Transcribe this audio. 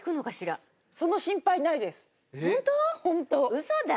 ウソだ！